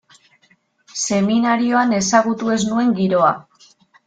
Seminarioan ezagutu ez nuen giroa.